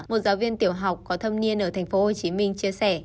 một giáo viên tiểu học có thâm niên ở tp hcm chia sẻ